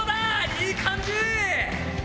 いい感じ！